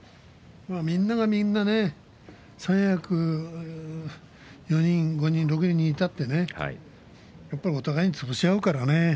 みんながみんな三役４人、５人、６人いたってお互いにつぶし合うからね。